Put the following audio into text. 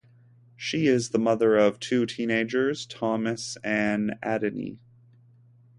She is the mother of two teenagers, Thomas and Adieny.